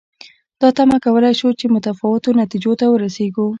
دا تمه کولای شو چې متفاوتو نتیجو ته ورسېږو.